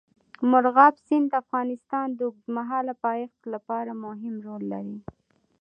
مورغاب سیند د افغانستان د اوږدمهاله پایښت لپاره مهم رول لري.